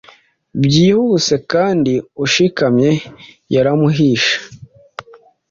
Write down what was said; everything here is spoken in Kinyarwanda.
Byihuse kandi ushikamyeyaramuhishe